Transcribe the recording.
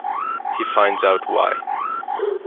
He finds out why.